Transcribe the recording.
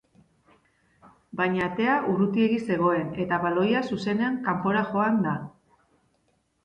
Baina atea urrutiegi zegoen, eta baloia zuzenean kanpora joan da.